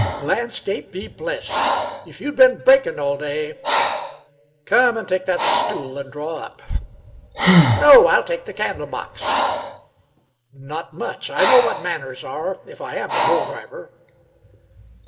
"Landscape be blessed! If you'd been breakin' all day Come, take that stool an' draw up." "No; I'll take the candle box." "Not much. I know what manners are, if I am a bull driver."